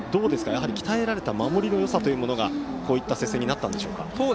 やはり鍛えられた守りのよさというものでこういった接戦になったんでしょうか。